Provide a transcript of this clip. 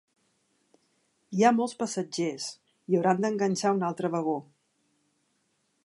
Hi ha molts passatgers: hi hauran d'enganxar un altre vagó.